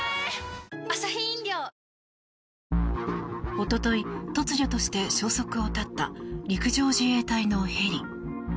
おととい、突如として消息を絶った陸上自衛隊のヘリ。